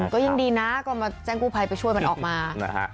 ก็ยิ่งดีนะก็มาแจ้งกู้ภัยไปช่วยมันออกมานะฮะ